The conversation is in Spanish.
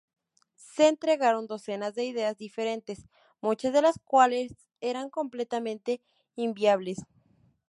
Se entregaron docenas de ideas diferentes, muchas de las cuales eran completamente inviables.